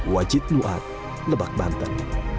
wajib nuat lebak banten